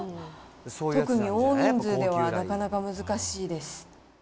特に大人数では、なかなか難しいです。